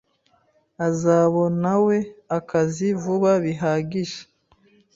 azabonawe akazi vuba bihagije.